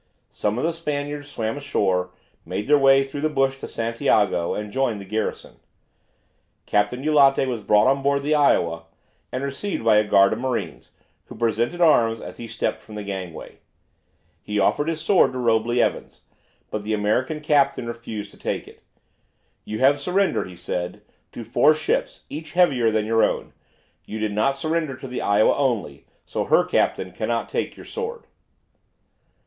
Some of the Spaniards swam ashore, made their way through the bush to Santiago, and joined the garrison. Captain Eulate was brought on board the "Iowa," and received by a guard of marines, who presented arms as he stepped from the gangway. He offered his sword to Robley Evans, but the American captain refused to take it. "You have surrendered," he said, "to four ships, each heavier than your own. You did not surrender to the 'Iowa' only, so her captain cannot take your sword."